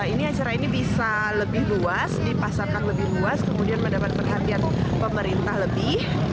ini acara ini bisa lebih luas dipasarkan lebih luas kemudian mendapat perhatian pemerintah lebih